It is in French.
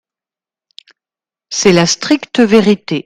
C’est la stricte vérité.